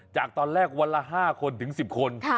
จากตอนแรกวันละ๕คนถึง๑๐คน